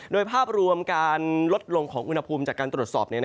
โดยภาพรวมการลดลงของอุณหภูมิจากการตรวจสอบ